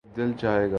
جب دل چاھے گانا